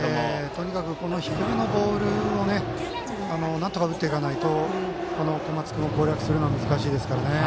とにかく低めのボールをなんとか打っていかないと小松君を攻略するのは難しいですからね。